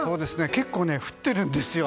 結構、降っているんですよ